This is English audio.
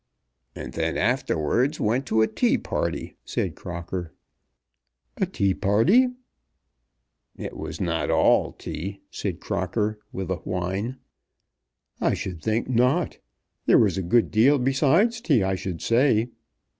"And then afterwards went to a tea party," said Crocker. "A tea party!" "It was not all tea," said Crocker, with a whine. "I should think not. There was a good deal besides tea, I should say."